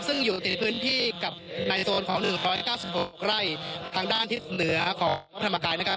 ซึ่งอยู่ติดพื้นที่กับในโซนของ๑๙๖ไร่ทางด้านทิศเหนือของพระธรรมกายนะครับ